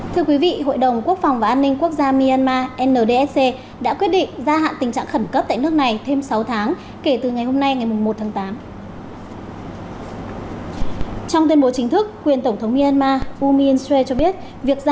thưa quý vị hội đồng quốc phòng và an ninh quốc gia myanmar ndsc đã quyết định gia hạn tình trạng khẩn cấp tại nước này thêm sáu tháng kể từ ngày hôm nay ngày một tháng tám